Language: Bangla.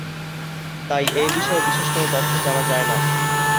তাই এ বিষয়ে বিশেষ কোন তথ্য জানা যায়না।